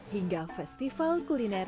hingga festival kuliner khas betawi